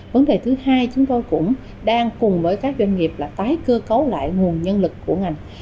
vấn đề thứ hai chúng tôi cũng đang cùng với các doanh nghiệp là tái cơ cấu lại nguồn nhân lực của ngành